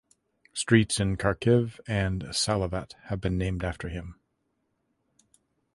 Streets in Kharkiv and Salavat have been named after him.